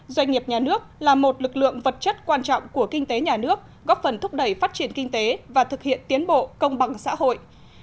doanh nghiệp nhà nước là một lực lượng vật chất quan trọng của kinh tế nhà nước góp phần thúc đẩy phát triển kinh tế và thực hiện tiến bộ công bằng xã hội